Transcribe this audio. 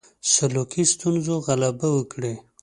سلوکي ستونزو غلبه وکړي.